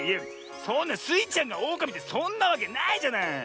そんなスイちゃんがオオカミってそんなわけないじゃない！